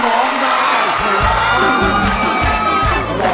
ร้องได้ให้ล้าน